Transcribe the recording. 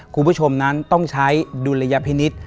คุณผู้ชมนั้นต้องใช้ดุลยพินิษฐ์